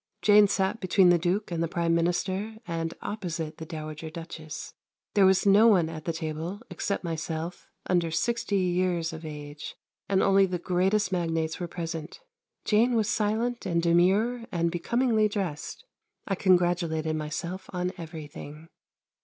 Jane sat between the Duke and the Prime Minister and opposite the Dowager Duchess. There was no one at the table, except myself, under sixty years of age, and only the greatest magnates were present. Jane was silent and demure and becomingly dressed. I congratulated myself on everything.